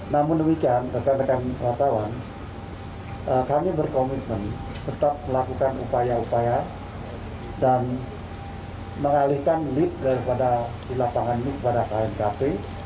namun demikian kepan kepan peratawan kami berkomitmen tetap melakukan upaya upaya dan mengalihkan lead di lapangan ini kepada knkt